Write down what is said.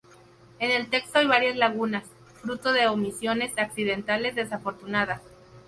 En el texto hay varias lagunas, fruto de omisiones accidentales desafortunadas.